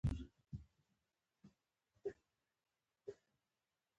د هنر په برخه کي ځوانان نوښتونه کوي.